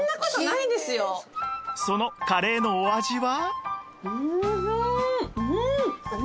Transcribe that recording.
そのカレーのお味は？